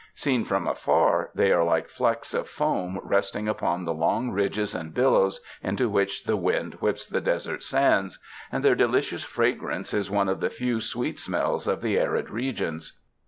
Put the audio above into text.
Seen from afar, they are like flecks of foam resting upon the long ridges and billows into which the wind whips the desert sands, and their delicious fragrance is one of the few sweet smells of the arid regions.